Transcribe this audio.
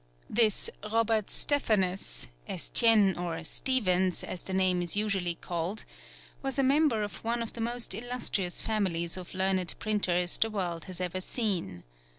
This Robert Stephanus (Estienne or Stephens, as the name is usually called) was a member of one of the most illustrious families of learned printers the world has ever seen.